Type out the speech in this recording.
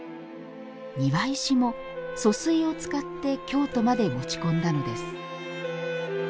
庭石も疎水を使って京都まで持ち込んだのです。